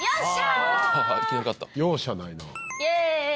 容赦ないな。